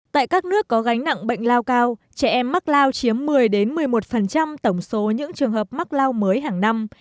tại các nước có gánh nặng bệnh lao cao trẻ em mắc lao chiếm một mươi một mươi một tổng số những trường hợp mắc lao mới hàng năm